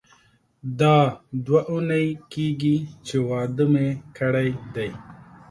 دا دوه اونۍ کیږي چې واده مې کړی دی.